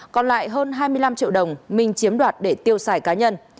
còn lại hơn hai mươi năm triệu đồng minh chiếm đoạt để tiêu xài cá nhân